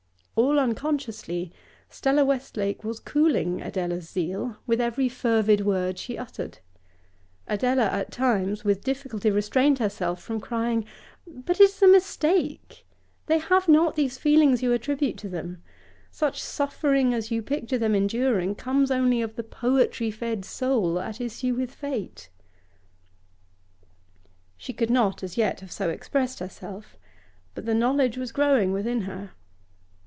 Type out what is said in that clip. All unconsciously, Stella Westlake was cooling Adela's zeal with every fervid word she uttered; Adela at times with difficulty restrained herself from crying, 'But it is a mistake! They have not these feelings you attribute to them. Such suffering as you picture them enduring comes only of the poetry fed soul at issue with fate.' She could not as yet have so expressed herself, but the knowledge was growing within her.